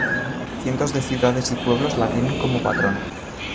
Cientos de ciudades y pueblos la tienen como patrona.